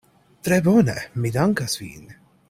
Tre bone, mi dankas vin.